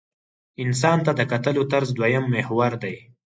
انسان ته د کتلو طرز دویم محور دی.